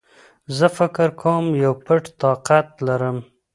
زه فکر کوم يو پټ طاقت لرم